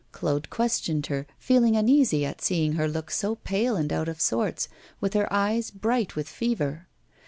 Claude questioned her, feeling uneasy at seeing her look so pale and out of sorts, with her eyes bright with fever.